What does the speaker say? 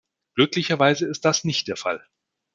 Glücklicherweise ist das nicht der Fall.